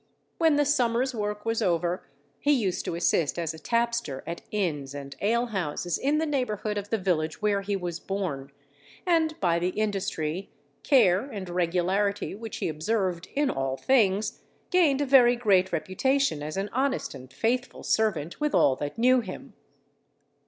When the summer's work was over, he used to assist as a tapster at inns and alehouses in the neighbourhood of the village where he was born, and by the industry, care, and regularity which he observed in all things, gained a very great reputation as an honest and faithful servant with all that knew him.